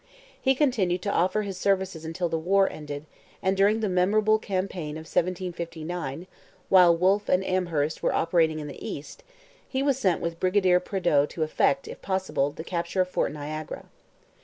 He continued to offer his services until the war ended; and during the memorable campaign of 1759, while Wolfe and Amherst were operating in the east, he was sent with Brigadier Prideaux to effect, if possible, the capture of Fort Niagara.